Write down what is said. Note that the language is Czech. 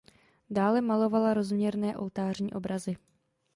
Dále malovala rozměrné oltářní obrazy.